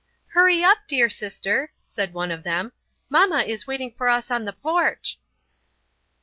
"Hurry up, dear sister," said one of them, "Mama is waiting for us on the porch."